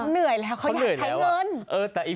เหนื่อยแล้วเขาอยากใช้เงิน